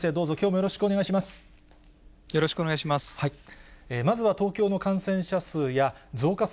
よろしくお願いします。